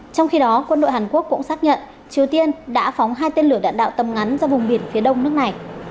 trong khi đó quân đội hàn quốc cũng xác nhận triều tiên đã phóng hai tên lửa đạn đạo tầm ngắn ra vùng biển phía đông nước này